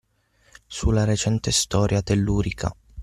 Su la recente storia tellurica.